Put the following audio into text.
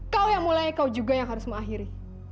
kau yang mulai kau juga yang harus mengakhiri